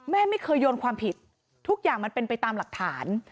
แม่ไม่เคยโยนความผิดทุกอย่างมันเป็นไปตามหลักฐาน